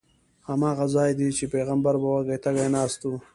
هماغه ځای دی چې پیغمبر به وږی تږی ناست و.